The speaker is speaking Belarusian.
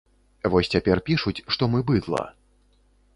Вось цяпер пішуць, што мы быдла.